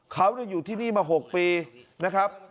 เขาอยู่ที่นี่มา๖ปีนะครับ